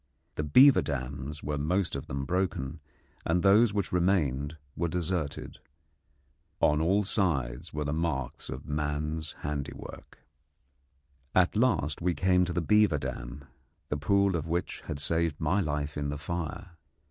The beaver dams were most of them broken, and those which remained were deserted. On all sides were the marks of man's handiwork. At last we came to the beaver dam, the pool of which had saved my life in the fire.